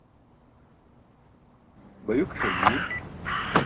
bayukiṣan bi